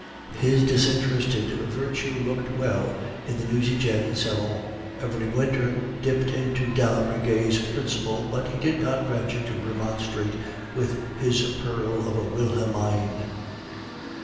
His disinterested virtue looked well in the Nucingen salon. "Every winter dipped into d'Aldrigger's principal, but he did not venture to remonstrate with his pearl of a Wilhelmine.